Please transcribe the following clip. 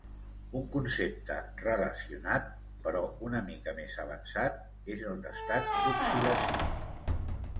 Un concepte relacionat, però una mica més avançat, és el d'estat d'oxidació.